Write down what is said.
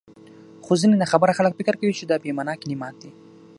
خو ځيني ناخبره خلک فکر کوي چي دا بې مانا کلمات دي،